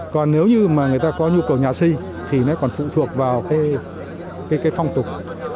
còn nếu như mà người ta có nhu cầu nhà xây thì nó còn phụ thuộc vào cái phong tục